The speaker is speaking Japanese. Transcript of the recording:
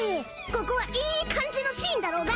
ここはいい感じのシーンだろが！